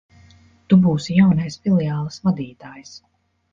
Tu būsi jaunais filiāles vadītājs.